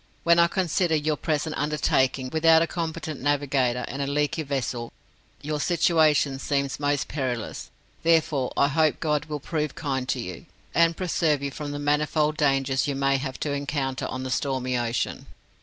When I consider your present undertaking, without a competent navigator, and in a leaky vessel, your situation seems most perilous; therefore I hope God will prove kind to you, and preserve you from the manifold dangers you may have to encounter on the stormy ocean.'